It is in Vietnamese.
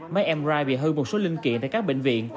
máy mri bị hư một số linh kiện tại các bệnh viện